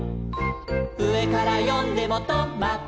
「うえからよんでもト・マ・ト」